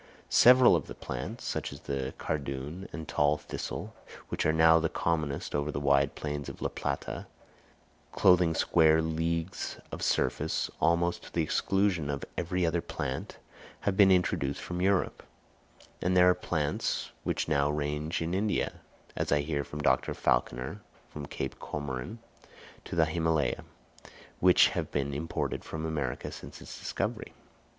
Several of the plants, such as the cardoon and a tall thistle, which are now the commonest over the wide plains of La Plata, clothing square leagues of surface almost to the exclusion of every other plant, have been introduced from Europe; and there are plants which now range in India, as I hear from Dr. Falconer, from Cape Comorin to the Himalaya, which have been imported from America since its discovery.